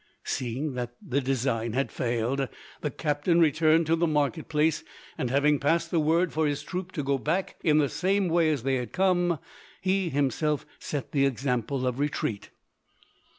Seeing that the design had failed, the captain returned to the market place, and having passed the word for his troop to go back in the same way as they had come, he himself set the example of retreat.